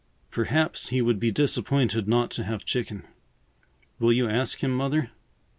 Perhaps he would be disappointed not to have chicken. Will you ask him, Mother?"